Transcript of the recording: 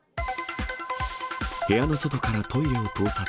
部屋の外からトイレを盗撮。